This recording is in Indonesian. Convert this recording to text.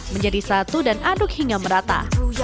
menjadi satu dan aduk hingga merata